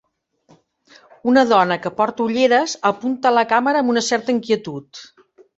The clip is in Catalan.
Una dona que porta ulleres apunta a la càmera amb una certa inquietud.